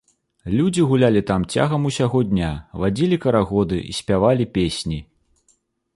Людзі гулялі там цягам усяго дня, вадзілі карагоды і спявалі песні.